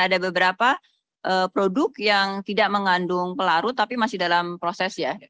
akan ada tambahan tambahan lain karena ada beberapa produk yang tidak mengandung pelarut tapi masih dalam proses ya